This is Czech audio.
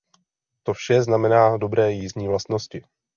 To vše znamená dobré jízdní vlastnosti.